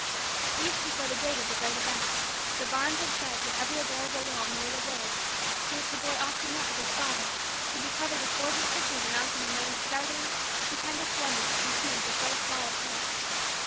Weeks before the date of the great event, the barns and sheds and every available wall in the little village, to which the boy often went with his father, would be covered with gorgeous pictures announcing the many startling, stupendous, wonders, to be seen for so small a price.